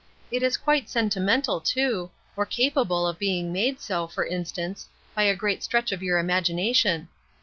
It is quite sentimental, too, or capable of being made so, for instance, by a great stretch of your imagination.